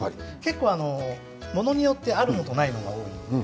ものによってあるものとないものがあります。